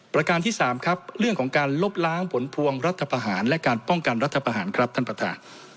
การที่๓ครับเรื่องของการลบล้างผลพวงรัฐประหารและการป้องกันรัฐประหารครับท่านประธาน